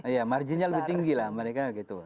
ya marginnya lebih tinggi lah mereka gitu